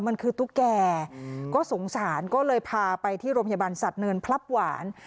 มันคือตุ๊กแก่ก็สงสารก็เลยพาไปที่โรงพยาบาลสัตว์เนินพลับหวาน